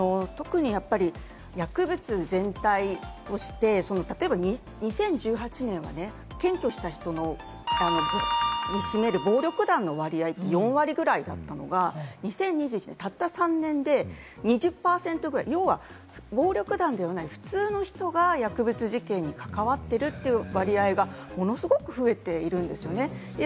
そうですね、特にやっぱり薬物全体をして、例えば、２０１８年は検挙した人に占める暴力団の割合が４割だったのが２０２１年にたった３年で２０％ぐらい、要は暴力団ではない普通の人が、薬物事件に関わっているという割合がものすごく増えているんですよね。